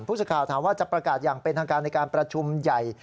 ผู้สื่อข่าวถามว่าจะประกาศอย่างเป็นทางการในการประชุมใหญ่